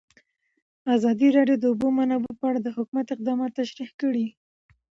ازادي راډیو د د اوبو منابع په اړه د حکومت اقدامات تشریح کړي.